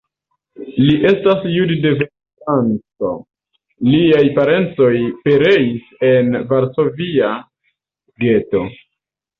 Li estas jud-devena franco, liaj parencoj pereis en Varsovia geto.